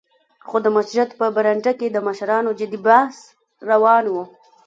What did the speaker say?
خو د مسجد په برنډه کې د مشرانو جدي بحث روان و.